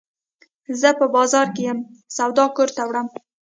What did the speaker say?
زه په بازار کي یم، سودا کور ته وړم.